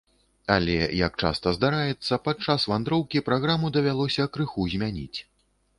Але, як часта здараецца, падчас вандроўкі праграму давялося крыху змяніць.